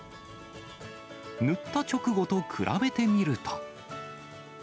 塗った直後と比べてみると。